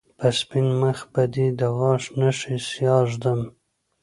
په سپين مخ به دې د غاښ نښې سياه ږدم